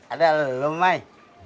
ada lalu mai